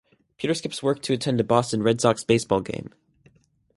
Peter skips work to attend a Boston Red Sox baseball game.